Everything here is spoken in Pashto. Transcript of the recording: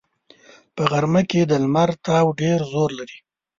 په غرمه کې د لمر تاو ډېر زور لري